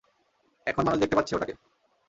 এখন মানুষ দেখতে পাচ্ছে ওটাকে!